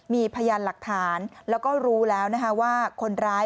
มีพยานหลักฐานแล้วก็รู้แล้วนะคะว่าคนร้าย